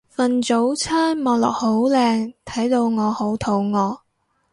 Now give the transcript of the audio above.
份早餐望落好靚睇到我好肚餓